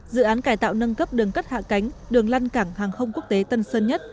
dự án cải tạo nâng cấp đường cất hạ cánh đường lăn cảng hàng không quốc tế tân sơn nhất